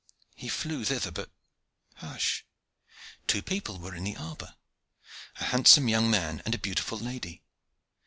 He flew thither; but "hush!" two people were in the arbor, a handsome young man and a beautiful lady.